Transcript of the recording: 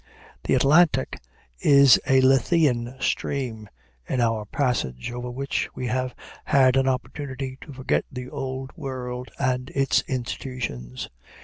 The Atlantic is a Lethean stream, in our passage over which we have had an opportunity to forget the Old World and its institutions.